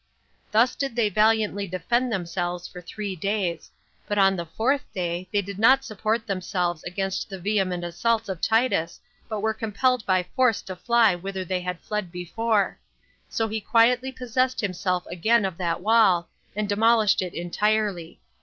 Thus did they valiantly defend themselves for three days; but on the fourth day they could not support themselves against the vehement assaults of Titus but were compelled by force to fly whither they had fled before; so he quietly possessed himself again of that wall, and demolished it entirely.